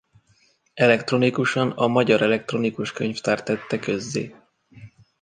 Elektronikusan a Magyar Elektronikus Könyvtár tette közzé.